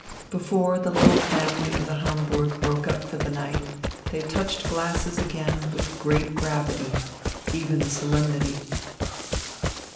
Before the little family circle of the Hamburg broke up for the night, they touched glasses again with great gravity, even solemnity.